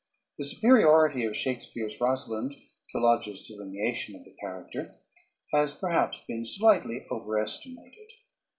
The superiority of Shakespeare's Rosalind to Lodge's delineation of the character has, perhaps, been slightly overestimated.